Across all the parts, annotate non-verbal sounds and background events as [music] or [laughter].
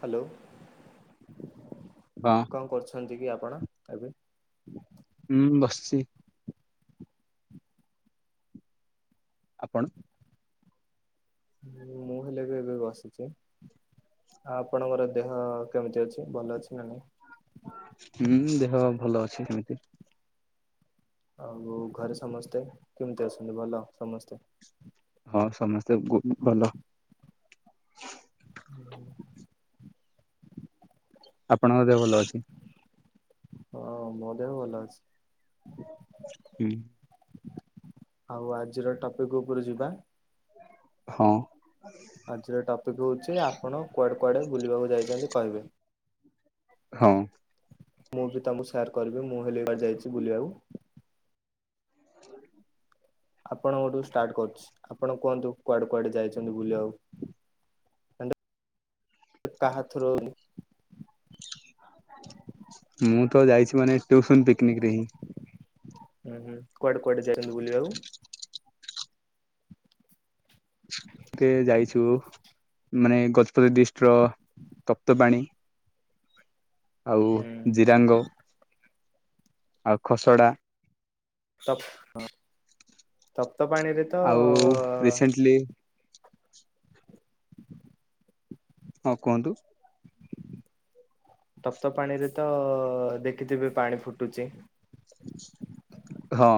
Hello. ହଁ କଣ କରୁଛନ୍ତି କି ଆପଣ ଏବେ? ହୁଁ ବସିଛି। ଆପଣ। ମୁଁ ହେଲେ ବି ଏବେ ବସିଛି। ଆପଣଙ୍କର ଦେହ କେମିତି ଅଛି ଭଲ ଅଛି ନା ନାଇଁ? ହୁଁ ଦେହ ଭଲ ଅଛି ସେମିତି। ଆଉ ଘରେ ସମସ୍ତେ କେମିତି ଅଛନ୍ତି ଭଲ ସମସ୍ତେ। ହଁ ସମସ୍ତେ ଗୁ ଭଲ। ଆପଣଙ୍କ ଦେହ ଭଲ ଅଛି। ହଁ ମୋ ଦେହ ଭଲ ଅଛି। ହୁଁ ଆଉ ଆଜିର ଟପିକ ଉପରେ ଯିବା। ହଁ। ଆଜିର ଟପିକ ହଉଛି ଆପଣ କୁଆଡେ କୁଆଡେ ବୁଲିବାକୁ ଯାଇଛନ୍ତି କହିବେ। ହଁ। ମୁଁ ବି ତମକୁ ସେୟାର କରିବି ମୁଁ ହେଲେ ଏଲିବାର ଯାଇଛି ବୁଲିବାକୁ। ହ [inaudible] ଆପଣଙ୍କଠୁ ଷ୍ଟାଟ କରୁଛି ଆପଣ କୁହନ୍ତୁ କୁଆଡେ କୁଆଡେ ଯାଇଛନ୍ତି ବୁଲିବାକୁ। କାହା ଥ୍ରୋରେ। ମୁଁ ତ ଯାଇଛି ମାନେ ଟୁସନ ପିକନିକରେ ହିଁ। ହୁଁ ହୁଁ କୁଆଡେ କୁଆଡେ ଯାଇସନ୍ତି ବୁଲିବାକୁ? ତେ ଯାଇଛୁ ମାନେ ଗଜପତି ଡ଼ିଷ୍ଟର ତପ୍ତପାଣି। [inaudible] ଆଉ ହୁଁ ଜିରାଙ୍ଗ। ଆଉ ଖସଡ଼ା। ତପ୍ ତପ୍ତପାଣିରେ ତ ହ [inaudible] ହଁ କୁହନ୍ତୁ। ତପ୍ତପାଣିରେ ତ ଦେଖିଥିବେ ପାଣି ଫୁଟୁଛି। ହଁ।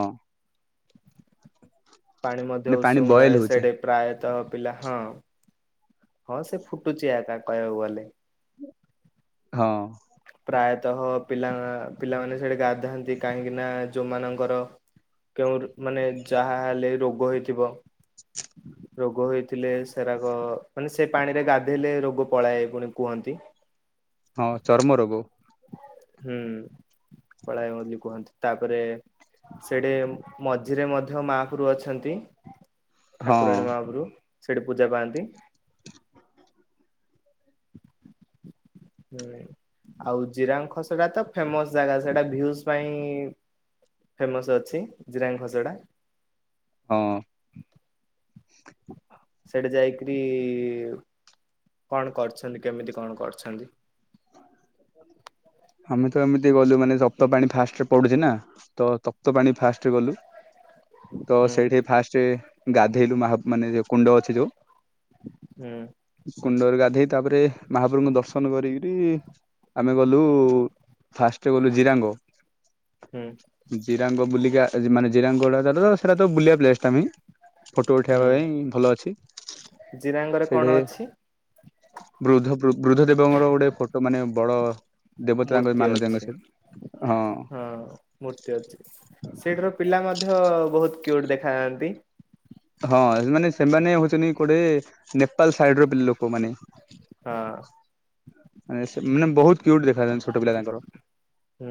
ପାଣି ମାନେ ମଧ୍ୟ ପାଣି ଉଷୁମ ବଏଲ ରହେ ହଉଛି ସେଠ ପ୍ରାୟତଃ ପିଲା ହଁ ହଁ ସେ ଫୁଟୁଛି ଆ କହିବାକୁ ଗଲେ। ହଁ। ପ୍ରାୟତଃ ପିଲା ପିଲାମାନେ ସେଠି ଗାଧାନ୍ତି କାହିଁକି ନା ଯୋଉମାନଙ୍କର କେଉଁ ମାନେ ଯାହାହେଲେ ରୋଗ ହେଇଥିବ। ରୋଗ ହେଇଥିଲେ ସେରାକ ମାନେ ସେ ପାଣିରେ ଗାଧେଇଲେ ରୋଗ ପଳାଏ ପୁଣି କୁହନ୍ତି। ହଁ ଚର୍ମ ରୋଗ। ହୁଁ ପଳାଏ ବୋଲି କୁହନ୍ତି ତାପରେ ସେଠେ ମଝିରେ ମଧ୍ୟ ମାପରୁ ଅଛନ୍ତି। ହଁ ଠାକୁରାଣୀ ମହାପୁର ସେଠି ପୂଜା ପାଆନ୍ତି। ହୁଁ ଆଉ ଜିରାଙ୍ଗ ଖସଟା ତ ଫେମସ ଜାଗା ସେଟା ଭିୟୁସ ପାଇଁ ଫେମସ ଅଛି ଜିରାଙ୍ଗ ଘସଡ଼ା। ହଁ ସେଟା ଯାଇକରି କଣ କରୁଛନ୍ତି କେମିତି କଣ କରଛନ୍ତି [unintelligible] ଆମେ ତ ଏମିତି ଗଲୁ ମାନେ ସପ୍ତ ପାଣି ଫାଷ୍ଟରେ ପଡୁଛି ନା ତ ସପ୍ତ ପାଣି ଫାଷ୍ଟରେ ଗଲୁ- ତ ହୁଁ ସେଇଠି ଫାଷ୍ଟ ଗାଧେଇଲୁହା ମାନେ ଯୋଉ କୁଣ୍ଡ ଅଛି ହୁଁ ଯୋଉ କୁଣ୍ଡରେ ଗାଧେଇ ତାପରେ ମହାପ୍ରଭୁଙ୍କୁ ଦର୍ଶନ କରିକି ରି ଆମେ ଗଲୁ ଫାଷ୍ଟରେ ଗଲୁ ଜିରାଙ୍ଗ ହୁଁ [unintelligible] ଜିରାଙ୍ଗ ବୁଲିକି ମାନେ ଜିରାଙ୍ଗଟା ସେଟା ତ ବୁଲିବା ପଲେ ଟାଁ [unintelligible] ଫଟୋ ହୁଁ ଉଠେଇବା ପାଇଁ ଭଲ ଅଛି ଜିରାଙ୍ଗରେ କଣ ସେଠି ଅଛି ବୃଦ୍ଧ ବୃଦ୍ଧ ଦେବଙ୍କର ଗୋଟେ ଫୋଟୋ ମାନେ ବଡ ଦେବତା ତାଙ୍କ ମୂର୍ତ୍ତି ମାନତାଙ୍କ ଅଛି। ସେ ହଁ ମୂର୍ତ୍ତି ଅଛି ସେଇଠି ର ପିଲା ମଧ୍ୟ ବହୁତ ଉଠ [unintelligible] ଦେଖା ଯାଆନ୍ତି ହଁ ମାନେ ସେମାନେ ହଉଛନ୍ତି, ଗୋଟେ ନେପାଳ ସାଇଡ ର ପିଲା ଲୋକମାନେ ହଁ ମାନେ ବହୁତ କ୍ଵଉଟ ଦେଖାନ୍ତି ଛୋଟ ପିଲା ତାଙ୍କର ହୁଁ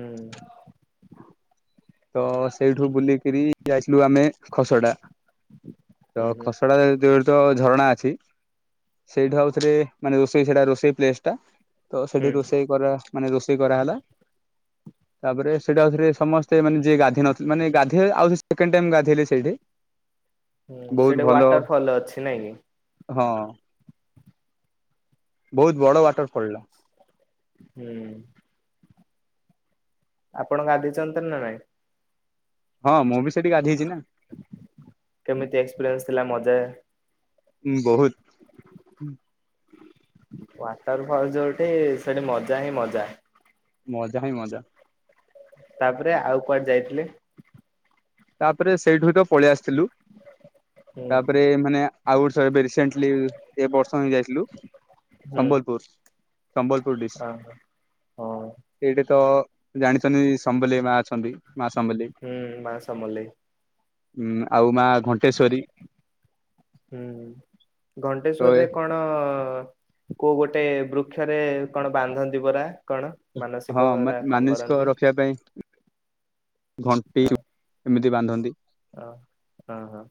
ତ ସେଇଠୁ ବୁଲିକରି ଯାଇଥିଲୁ ଆମେ ଖସ ଟା ତ ହୁଁ ହୁଁ ଖସଡା ତ ଝରଣା ଅଛି। ସେଇଠୁ ଆଉଥରେ ମାନେ, ରୋଷେଇ ସେଟା ରୋଷେଇ ପ୍ଲେସ୍ ଟା ତ ସେଠି ହୁଁ ରୋଷେଇ କର ମାନେ, ରୋଷେଇ କରାହେଲା, ତାପରେ ସେଟାଉରେ ସମସ୍ତ ସେ ଯିଏ ଗାଧୋଇ ନଥିଲେ ମାନେ, ଗାଧୋଇ ଆ ସେ ଟାଇ ଗାଧେଇଲେ ସେଇଠି ହୁଁ ସେଟା ବହୁତ ଭଲ ୱାଟର ଫଲ ଅଛି ନାଇଁ କି? ହଁ। ବହୁତ ବଡ ୱାଟରଫଲଟ। ହୁଁ। ଆପଣ ଗାଧୋଇଛନ୍ତିନ ନା ନାଇଁ ହଁ ମୁଁ ବି ସେଠି ଗାଧେଇଛି ନା କେମିତି ଏକ୍ସପିରିଏନ୍ସ ଥିଲା ମଜା ହଁ ବହୁତ ୱାଟର ଫଲ ଯୋଉଠି ସେଠି ମଜା ହିଁ ମଜା ମଜା ହଁ ମଜା। ତାପରେ ଆଉ କୁଆଡେ ଯାଇଥିଲେ? ତାପରେ ସେଇଠୁ ହ ତ ପଳେଇ ଆସିଥିଲୁ ହୁଁ ତାପରେ ମାନେ ଆଉ ଏବେ ରିସେଣ୍ଟଲି ଏ ବର୍ଷ ଯାଇଥିଲୁ, ହୁଁ ସମ୍ବଲପୁର ସମ୍ବଲପୁର ଡିଷ୍ଟ ହଁ ହଁ ସେଇଠି ତ ଜାଣିଛନ୍ତି, ସମ୍ବଲ ମା ଅଛନ୍ତି। ମା ହୁଁ, ମା ସମଲେଇ। ହଁ ଆଉ ମା। ଘଣ୍ଟେଶ୍ଵରୀ ହୁଁ, ତ ଘଣ୍ଟେଶ୍ଵର ଏ ରେ କଣ? ହ କୋଉ ଗୋଟେ ବୃକ୍ଷରେ କଣ ବାନ୍ଧନ୍ତି ପରା? କଣ ହଁ ମାନସିକ ମା କଣ ମାନସିକ କରନ୍ତି? ରଖିବା ପାଇଁ ଘଣ୍ଟି ଏମିତି ବାନ୍ଧନ୍ତି। ହ ହ ହ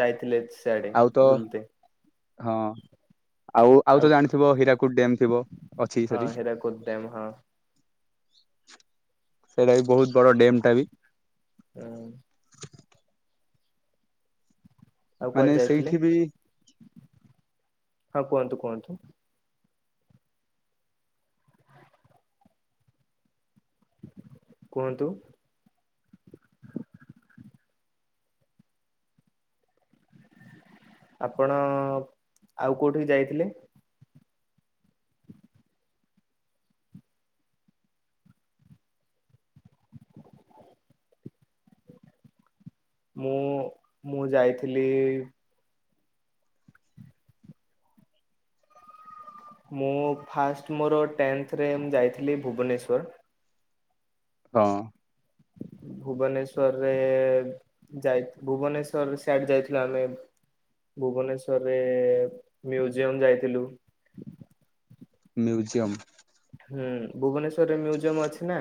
ଯାଇଥିଲେ ସିଆଡେ ଆଉ ତ ବୁଲିତେ। ହଁ ଆଉ ଆଉ ତ ଜାଣିଥିବ ହୀରାକୁଟ ଡ୍ୟମ୍ ଥିବ, ଅଛି ହଁ ସେଠି। ହୀରାକୁଦ ଡ୍ୟାମ ହଁ ସେଇଟା ବି ବହୁତ ବଡ ଡ୍ୟମ୍ ଟା ବି ହୁଁ। ଆଉ ମାନେ କୁଆଡେ ଯାଇଥିଲେ ସେଇଠି ବି ହଁ କୁହନ୍ତୁ, କୁହନ୍ତୁ? କୁହନ୍ତୁ। ଆପଣ ଆଉ କୋଉଠିକି ଯାଇଥିଲେ? ମୁଁ ମୁଁ ଯାଇଥିଲି। ମୁଁ ଫାଷ୍ଟ ମୋର ଟେଂଥରେ ମୁ ଯାଇଥିଲି ଭୁବନେଶ୍ଵର। ହଁ। [inaudible] ଭୁବନେଶ୍ଵରରେ ଯାଇ ଭୁବନେଶ୍ଵର ସ୍ୟାଡେ ଯାଇଥିଲ ଆମେ। ଭୁବନେଶ୍ଵରରେ ମ୍ୟୁଜିୟମ ଯାଇଥିଲୁ। ମ୍ୟୁଜୟମ୍। ହୁଁ ଭୁବନେଶ୍ଵରରେ ମୁଜିୟମ ଅଛି ନା?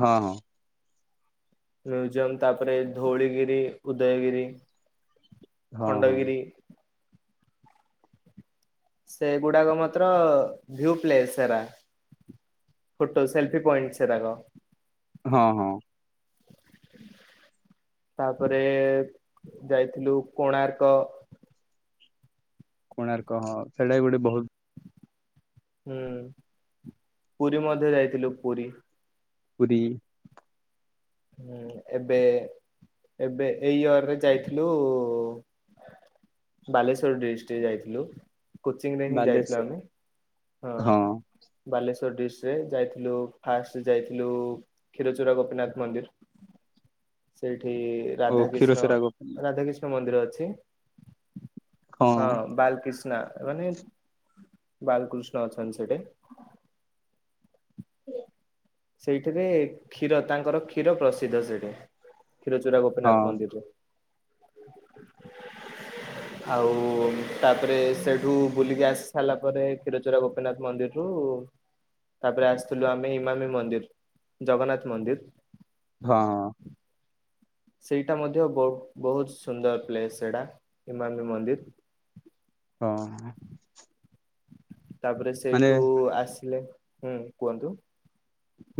ହଁ ହଁ। ମ୍ୟୁଜିୟମ ତାପରେ ଧଉଳିଗିରି ଉଦୟଗିରି। ହଁ ହଁ ଖଣ୍ଡଗିରି। ସେଗୁଡାକ ମାତ୍ର ଭ୍ୟୁ ପ୍ଲେସ ସେରା। ଫୋଟୋ ସେଲଫି ପଏଣ୍ଟସ୍ ସେରାକ। ହଁ ହଁ। [inaudible] ତାପରେ ଯାଇଥିଲୁ କୋଣାର୍କ। କୋଣାର୍କ ହଁ ସେଇଟା ଗୋଟେ ବହୁତ ହୁଁ ପୁରୀ ମଧ୍ୟ ଯାଇଥିଲୁ ପୁରୀ। ପୁରୀ। ହୁଁ ଏବେ ଏବେ ଏଇ ୟରରେ ଯାଇଥିଲୁ ବାଲେଶ୍ଵର ଡିଷ୍ଟିକ ଯାଇଥିଲୁ। କୋଚିଂ ରେ ହିଁ ଯାଇଥିଲୁ ବାଲେଶ୍ଵର ଆମେ ହଁ ବାଲେଶର। ଡିସ ରେ ଯାଇଥିଲୁ ଫାଷ୍ଟ ଯାଇଥିଲୁ କ୍ଷୀରଚୁରା ଗୋପୀନାଥ ମନ୍ଦିର। ସେଇଠି ଓ ରାଧା କିଷ୍ଣ କ୍ଷୀରଚୋରା ଗୋପୀନାଥ ରାଧା କିଷ୍ଣ ମନ୍ଦିର ଅଛି। ହଁ ବାଲକୃଷ୍ଣ। ନା ମାନେ ବାଲକୃଷ୍ଣ ଅଛନ୍ତି ସେଠି। ଏ ସେଇଠିରେ କ୍ଷୀର ତାଙ୍କର କ୍ଷୀର ପ୍ରସିଦ୍ଧ ସେଇଠି। ଖିରଚୁରା ଗୋପିନାଥ ହଁ ମନ୍ଦିରରେ। ଆଉ ତାପରେ ସେଠୁ ବୁଲିକି ଆସି ସାରିଲା ପରେ କ୍ଷୀରଚୋରା ଗୋପୀନାଥ ମନ୍ଦିରରୁ ତାପରେ ଆସିଥିଲୁ ଆମେ ଇମାମି ମନ୍ଦିର ଜଗନ୍ନାଥ ମନ୍ଦିର। ହଁ। ସେଇଟା ମଧ୍ୟ ବହୁତ ବହୁତ ସୁନ୍ଦର ପ୍ଲେସ ସେଇଟା ଇମାମୀ ମନ୍ଦିର। ହଁ। ତାପରେ ମାନେ ସେଇଠୁ ଆସିଲେ ହୁଁ କୁହନ୍ତୁ।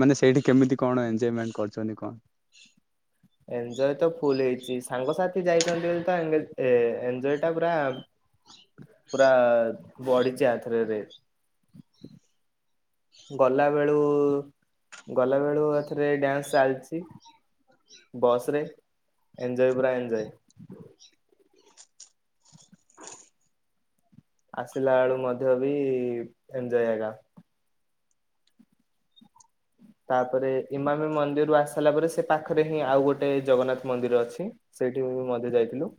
ମାନେ ସେଇଠି କେମିତି କଣ ଏଞଜୟମେଣ୍ଟ କରିଛନ୍ତି କଣ? ଏଞ୍ଜୟ ତ ଫୁଲ ହେଇଚି ସାଙ୍ଗସାଥି ଯାଇଛନ୍ତି ବୋଲି ତ ଏନଗେଜ୍ ଏ ଏଞ୍ଜୟ ଟା ପୁରା ପୁରା ବଢ଼ିଚି ୟା ଧରେ ରେଟ୍। ଗଲା ବେଳୁ ଗଲା ବେଳୁ ଏଥରେ ଡ୍ୟାନ୍ସ ଚାଲିଚି। ବସରେ ଏଞୟ ପୁରା ଏଞ୍ଜୟ। [inaudible] ଆସିଲା ବେଳୁ ମଧ୍ୟ ବି ଏଞୟ ଆକା। [inaudible] ତାପରେ ଇମାମି ମନ୍ଦିରରୁୁ ଆସି ସାରିଲା ପରେ ସେ ପାଖରେ ହିଁ ଆଉ ଗୋଟେ ଜଗନ୍ନାଥ ମନ୍ଦିର ଅଛି ସେଇଠି। ମଧ୍ୟ ଯାଇଥିଲୁ।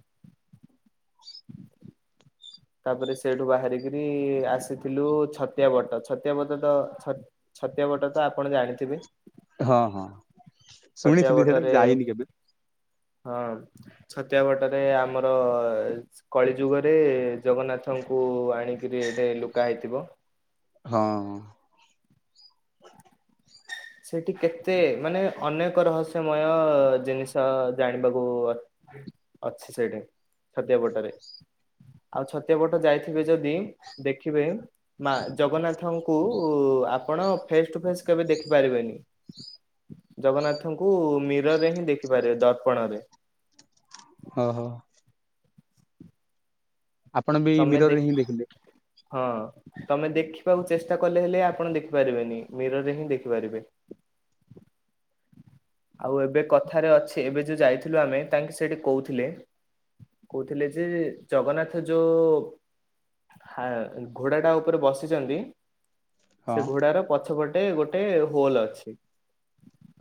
ତାପରେ ସେଇଠୁ ବାହାରିକିରି ଆସିଥିଲୁ ଛତିଆବଟ ଛତିଆବଟ ତ ଛ ଛତିଆ ବଟ ତ ଆପଣ ଜାଣିଥିବେ? ହଁ ହଁ। ଛତିଆ ଆ ଶୁଣିଥିଲି ସେଇଟା ବଟରେ ଯାଇନି କେବେ ହଁ। ଛତିଆ ବଟରେ ଆମର କଳିଯୁଗରେ ଜଗନ୍ନାଥଙ୍କୁ ଆଣି [unintelligible] ଏବେ ଲୁକା ହେଇଥିବ। ହଁ। ସେଠି କେତେ ମାନେ ଅନେକ ରହସ୍ୟମୟ ଜିନିଷ ଜାଣିବାକୁ ଅ ଅଛି ସେଇଠେ ଛାତିଆବଟ ରେ। ଆଉ ଛତିଆ ବଟ ଯାଇଥିବେ ଯଦି ଦେଖିବେ ମା ଜଗନ୍ନାଥଙ୍କୁ ଉ ଆପଣ ଫେସ୍ ଟୁ ଫେସ୍ କେବେ ଦେଖିପାରିବେନି। ଜଗନ୍ନାଥଙ୍କୁ ମିରର୍ ରେ ହିଁ ଦେଖିପାରିବେ ଦର୍ପଣରେ। ଅ ହୋ। ଆପଣ ବି ତମେ ମିରର୍ ଦେ ରେ ହିଁ ଦେଖିଲେ? ହଁ ତମେ ଦେଖିବାକୁ ଚେଷ୍ଟା କଲେ ହେଲେ ଆପଣ ଦେଖିପାରିବେନି ମିରର୍ ରେ ହିଁ ଦେଖିପାରିବେ। [inaudible] ଆଉ ଏବେ କଥାରେ ଅଛି ଏବେ ଯୋଉ ଯାଇଥିଲୁ ଆମେ ତାଙ୍କେ ସେଇଠି କହୁଥିଲେ କହୁଥିଲେ ଯେ ଜଗନ୍ନାଥ ଯୋଉ ହା ଘୋଡ଼ା ଟା ଉପରେ ବସିଛନ୍ତି ସେ ହଁ ଘୋଡାର ପଛପଟେ ଗୋଟେ ହୋଲ ଅଛି।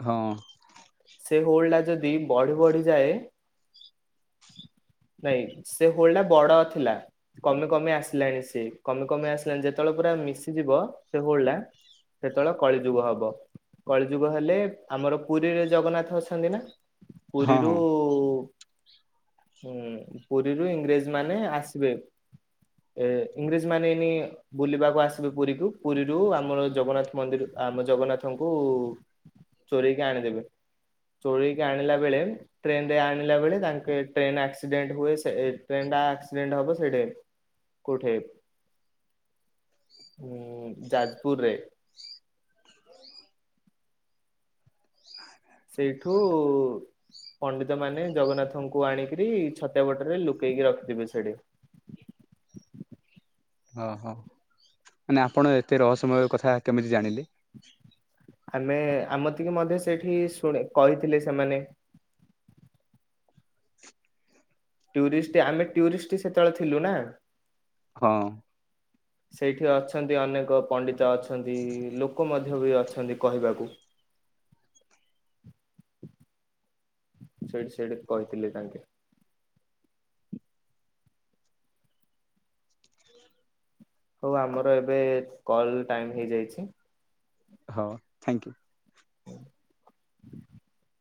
ହଁ। ସେ ହୋଲ ଟା ଯଦି ବଢି ବଢି ଯାଏ ନାଇଁ ସେ ହୋଲ୍ ଟା ବଡ ଥିଲା। କମି କମି ଆସିଲାଣି ସେ। କମି କମି ଆସିଲାଣି ଯେତେବେଳେ ପୁରା ମିଶିଯିବ ସେ ହୋଲ୍ ଟା ସେତେବେଳେ କଳିଯୁଗ ହବ। କଳିଯୁଗ ହେଲେ ଆମର ପୁରୀରେ ଜଗନ୍ନାଥ ଅଛନ୍ତି ନା ହଁ ପୁରୀରୁ ହଁ। ହୁଁ ପୁରୀରୁ ଇଂରେଜ ମାନେ ଆସିବେ। ଏ ଇଂରେଜ ମାନେ ନି ବୁଲିବାକୁ ଆସିବେ ପୁରୀକୁୁ ପୁରୀରୁ ଆମର ଜଗନ୍ନାଥ ମନ୍ଦିର ଆମ ଜଗନ୍ନାଥଙ୍କୁ ଚୋରେଇକି ଆଣିଦେବେ। ଚୋରେଇକି ଆଣିଲା ବେଳେ ଟ୍ରେନରେ ଆଣିଲା ବେଳେ ତାଙ୍କେ ଟ୍ରେନ ଆକ୍ସିଡେଣ୍ଟ ହୁଏ। ଟ୍ରେନ ଟା ଆକ୍ସିଡେଣ୍ଟ ହବ ସେଠେ। କୋଠେ? ଉଁ ଯାଜପୁରରେ। [inaudible] ସେଇଠୁ ପଣ୍ଡିତ ମାନେ ଜଗନ୍ନାଥଙ୍କୁ ଆଣିକିରି ଛତିଆ ବଟରେ ଲୁକେଇକି ରଖିଥିବେ ସେଠି। [inaudible] ଓହୋ ମାନେ ଆପଣ ଏତେ ରହସ୍ୟମୟ କଥା କେମିତି ଜାଣିଲେ? ଆମେ ଆମ ତିିକେ ମଧ୍ୟ ସେଇଠି ଶୁଣେ କହିଥିଲେ ସେମାନେ। ଟୁରିଷ୍ଟ ଆମେ ଟୁରିଷ୍ଟ ସେତେବେଳେ ଥିଲୁ ନା। ହଁ। ସେଇଠି ଅଛନ୍ତି ଅନେକ ପଣ୍ଡିତ ଅଛନ୍ତି। ଲୋକ ମଧ୍ୟ ବି ଅଛନ୍ତି କହିବାକୁ। [inaudible] ସେଠି ସେଠି କହିଥିଲେ ତାଙ୍କେ। ହଉ ଆମର ଏବେ କଲ ଟାଇମ ହେଇଯାଇଛି ହଉ ଥ୍ୟାଙ୍କ ୟୁ। [inaudible]